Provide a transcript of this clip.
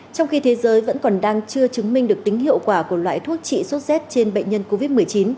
trong khi thế giới vẫn còn đang chưa chứng minh được tính hiệu quả của loại thuốc trị sốt z trên bệnh nhân covid một mươi chín